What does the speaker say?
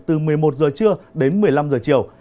từ một mươi một giờ trưa đến một mươi năm giờ chiều